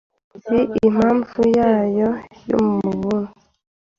Nzi impamvu nyayo yamubuze.